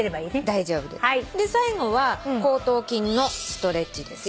で最後は後頭筋のストレッチです。